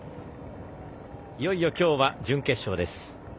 いよいよ今日は準決勝です。